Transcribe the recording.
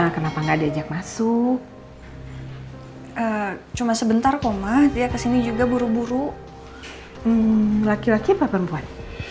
kenapa nggak diajak masuk cuma sebentar koma dia kesini juga buru buru laki laki perempuan